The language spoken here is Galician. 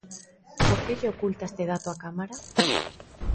¿Por que lle oculta este dato á Cámara?